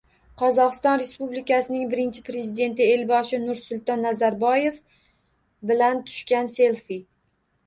Qozog'iston Respublikasining Birinchi Prezidenti Elboshi Nursulton Nazarboyev bilan tushgan selfi.